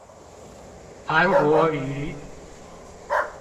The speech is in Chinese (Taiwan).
韓國瑜